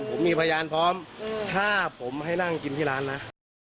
ผมมีพยานพร้อมถ้าผมให้นั่งกินที่ร้านนะ